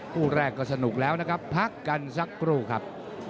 คู่แรกก็สนุกแล้วนะครับพักกันสักครู่ครับ